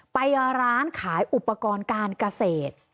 ไปร้านขายอุปกรณ์การเกษตร